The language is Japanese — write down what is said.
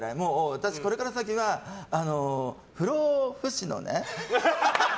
私、これから先は不老不死のね。